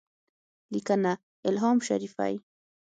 لیکنه: الهام شریفی